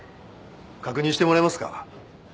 確認してもらえますか？